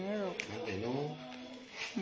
มันอยู่ไหน